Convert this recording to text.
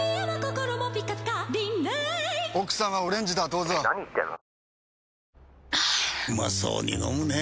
うまそうに飲むねぇ。